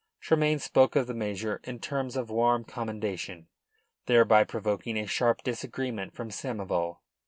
Tremayne spoke of the measure in terms of warm commendation, thereby provoking a sharp disagreement from Samoval.